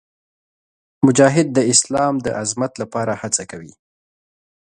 مجاهد د اسلام د عظمت لپاره هڅه کوي.